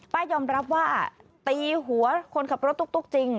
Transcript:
ป้ายอมรับว่าตีหัวคนขับรถตุ๊กจริง